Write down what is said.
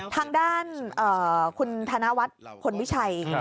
ทางด้านคุณธนวัฒน์พลวิชัย